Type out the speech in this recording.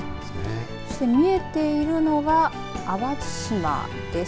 そして見えているのが淡路島です。